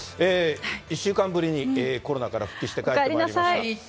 １週間ぶりに、コロナから復帰して帰ってまいりました。